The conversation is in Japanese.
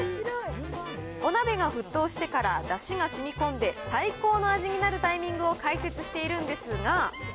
お鍋が沸騰してからだしがしみ込んで、最高の味になるタイミングを解説しているんですが。